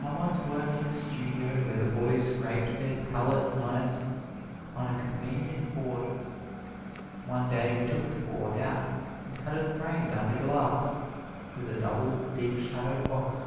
I once worked in a studio where the boys scraped their palette knives on a convenient board. One day we took the board out and had it framed under glass, with a double, deep shadow box.